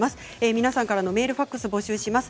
皆さんからのメールファックス募集します。